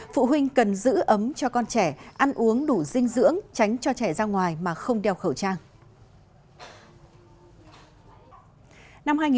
phụ huynh cần giữ ấm cho con trẻ ăn uống đủ dinh dưỡng tránh cho trẻ ra ngoài mà không đeo khẩu trang